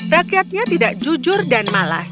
rakyatnya tidak jujur dan malas